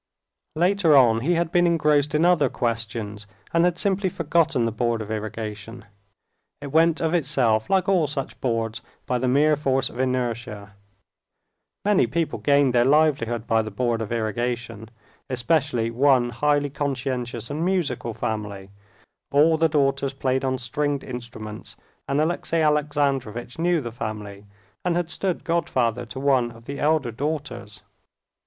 Later on he had been engrossed in other questions, and had simply forgotten the Board of Irrigation. It went of itself, like all such boards, by the mere force of inertia. (Many people gained their livelihood by the Board of Irrigation, especially one highly conscientious and musical family: all the daughters played on stringed instruments, and Alexey Alexandrovitch knew the family and had stood godfather to one of the elder daughters.)